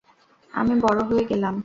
আমি বড় হয়ে গেলাম।